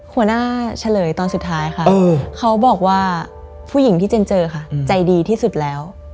เฉลยตอนสุดท้ายค่ะเขาบอกว่าผู้หญิงที่เจนเจอค่ะใจดีที่สุดแล้ว